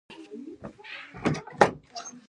د حاصلاتو ذخیره کول د راتلونکي لپاره حیاتي دي.